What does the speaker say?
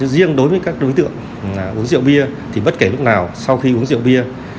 riêng đối với các đối tượng uống rượu bia thì bất kể lúc nào sau khi uống rượu bia